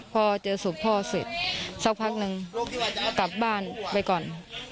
พอเจอศพพ่อเสร็จสักพักนึงกลับบ้านไปก่อน